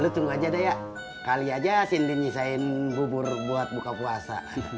lo tunggu aja deh ya kali aja sindir nyisain bubur buat buka puasa